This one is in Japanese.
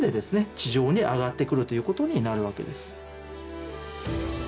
地上に上がってくるということになるわけです。